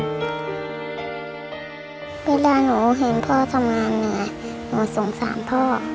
เวลาหนูเห็นพ่อทำงานเหนื่อยหนูสงสารพ่อ